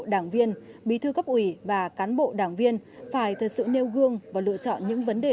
đảng viên bí thư cấp ủy và cán bộ đảng viên phải thật sự nêu gương và lựa chọn những vấn đề